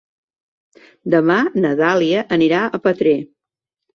Demà na Dàlia anirà a Petrer.